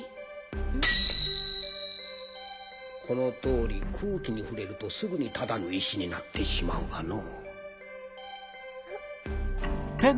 この通り空気にふれるとすぐにただの石になってしまうがのう。